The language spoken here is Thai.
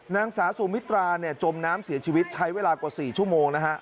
นางสาวสุมิตราจมน้ำเสียชีวิตใช้เวลากว่า๔ชั่วโมงนะฮะ